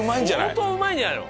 相当うまいんじゃないの？